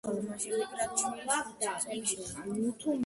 იგი გარდაიცვალა მას შემდეგ, რაც შვილს ხუთი წელი შეუსრულდა.